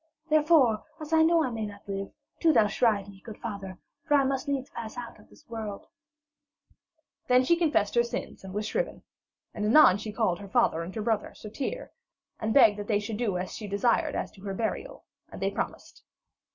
Therefore, as I know I may not live, do thou shrive me, good father, for I must needs pass out of this world.' Then she confessed her sins and was shriven. And anon she called her father and her brother, Sir Tirre, and begged that they would do as she desired as to her burial, and they promised.